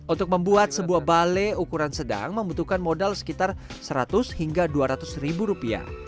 untuk membuat sebuah bale ukuran sedang membutuhkan modal sekitar seratus hingga dua ratus ribu rupiah